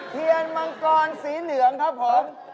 เทียนมังกรสีเหลืองครับผม